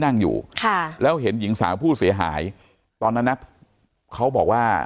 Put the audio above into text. นั่งอยู่ค่ะแล้วเห็นหญิงสาวผู้เสียหายตอนนั้นนะเขาบอกว่า